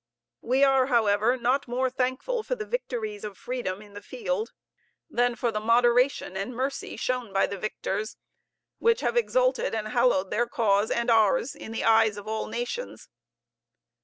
We are, however, not more thankful for the victories of freedom in the field than for the moderation and mercy shown by the victors, which have exalted and hallowed their cause and ours in the eyes of all nations.